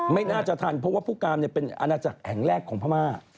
ไม่น่าจะทันเพราะว่าผู้การเป็นอาณาจักรแห่งแรกของพม่า